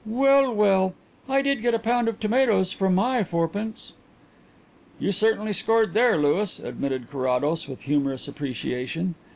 _' Well, well; I did get a pound of tomatoes for my fourpence." "You certainly scored there, Louis," admitted Carrados, with humorous appreciation.